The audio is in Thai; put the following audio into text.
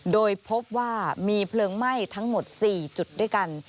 โดยพบว่ามีเพลิงไหม้ทั้งหมด๔จุดด้วยกัน